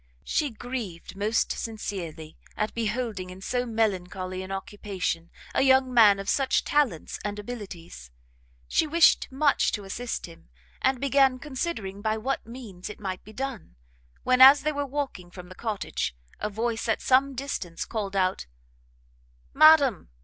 She grieved most sincerely at beholding in so melancholy an occupation a young man of such talents and abilities; she wished much to assist him, and began considering by what means it might be done, when, as they were walking from the cottage, a voice at some distance called out "Madam!